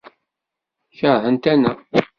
Keṛhent-aneɣ.